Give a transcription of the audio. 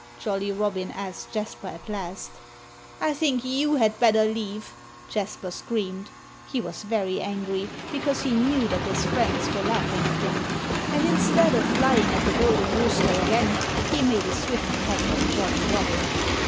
Jolly Robin asked Jasper at last. "I think you had better leave," Jasper screamed. He was very angry, because he knew that his friends were laughing at him. And instead of flying at the golden rooster again he made a swift attack on Jolly Robin.